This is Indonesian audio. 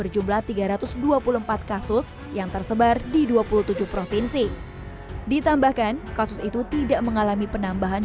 jumlah tiga ratus dua puluh empat kasus yang tersebar di dua puluh tujuh provinsi ditambahkan kasus itu tidak mengalami penambahan